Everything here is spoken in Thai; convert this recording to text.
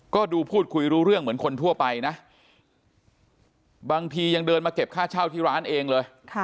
ก็ดูพูดคุยรู้เรื่องเหมือนคนทั่วไปนะบางทียังเดินมาเก็บค่าเช่าที่ร้านเองเลย